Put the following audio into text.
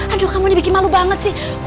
aduh kamu ini bikin malu banget sih